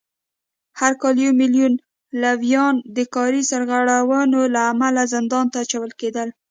هر کال یو میلیون لویان د کاري سرغړونو له امله زندان ته اچول کېدل